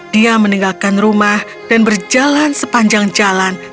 dia meninggalkan rumah dan berjalan sepanjang jalan